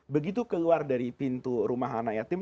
begitu keluar dari pintu rumah anak yatim